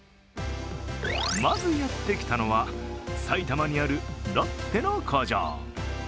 まずやってきたのは埼玉にあるロッテの工場。